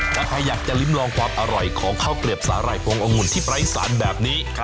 ถ้าใครอยากจะลิ้มลองความอร่อยของข้าวเกลียบสาหร่ายพงองุ่นที่ไร้สารแบบนี้